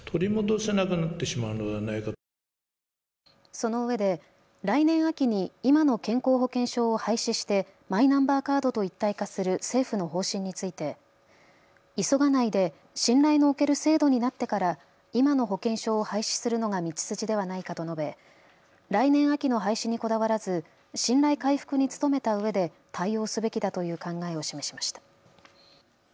そのうえで来年秋に今の健康保険証を廃止してマイナンバーカードと一体化する政府の方針について急がないで信頼のおける制度になってから今の保険証を廃止するのが道筋ではないかと述べ来年秋の廃止にこだわらず信頼回復に努めたうえで対応すべきだという考えを示しました。